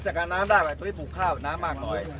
ชี้น้ำแหงก็จะเป็นแรกน้ำใบ